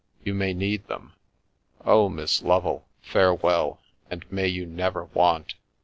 You may need them. Oh, Miss Lovel, farewell, and may you never want!